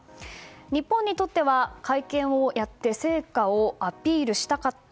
日本にとっては会見をやって成果をアピールしたかった。